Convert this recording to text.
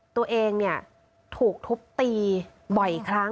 ตัวเองเนี่ยถูกทุบตีบ่อยครั้ง